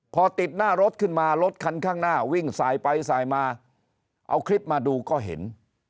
พอติดหน้ารถขึ้นมารถคันข้างหน้าวิ่งสายไปสายมาเอาคลิปมาดูก็เห็น